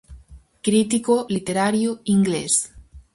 Crítico literario inglés.